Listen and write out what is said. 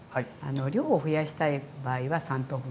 量を増やしたい場合は三等分。